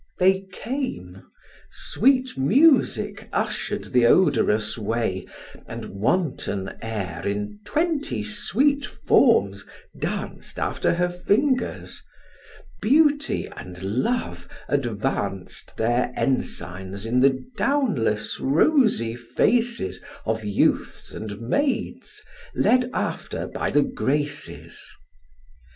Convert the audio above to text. They came; sweet Music usher'd th' odorous way, And wanton Air in twenty sweet forms danc'd After her fingers; Beauty and Love advanc'd Their ensigns in the downless rosy faces Of youths and maids, led after by the Graces.